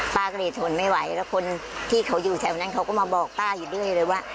ป้าก็เลยทนไม่ไหวแล้วคนที่เขาอยู่แถวนั้นเขาก็มาบอกป้าอยู่เรื่อยเลยว่า